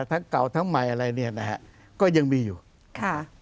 ทั้งเก่าทั้งใหม่อะไรเนี่ยนะฮะก็ยังมีอยู่ค่ะ